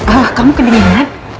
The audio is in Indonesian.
ah kamu kedinginan